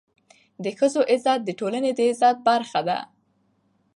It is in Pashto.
د ښځو عزت د ټولني د عزت برخه ده.